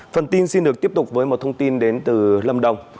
phần tin xin được tiếp tục với một thông tin đến từ lâm đồng